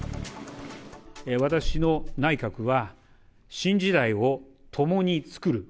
私の内閣は、新時代を共に創る。